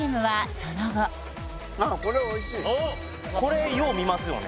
これよう見ますよね